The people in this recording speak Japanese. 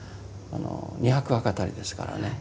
２００話語りですからね。